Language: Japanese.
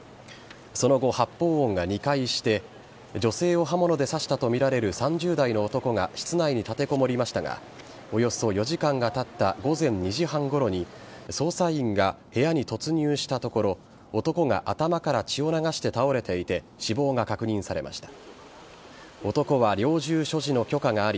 その後、発砲音が２回して女性を刃物で刺したとみられる３０代の男が室内に立てこもりましたがおよそ４時間たった午前２時半ごろに捜査員が部屋に突入したところ男が頭から血を流して倒れていて死亡が確認されました。